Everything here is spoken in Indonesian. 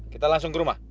kita langsung ke rumah